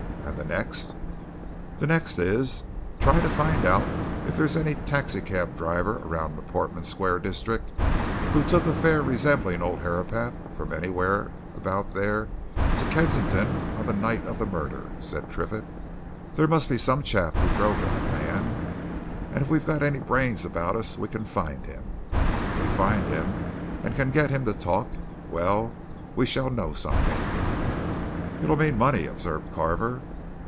And the next?" "The next is try to find out if there's any taxi cab driver around the Portman Square district who took a fare resembling old Herapath from anywhere about there to Kensington on the night of the murder," said Triffitt. "There must be some chap who drove that man, and if we've got any brains about us we can find him. If we find him, and can get him to talk well, we shall know something." "It'll mean money," observed Carver.